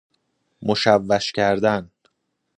مشوش کردن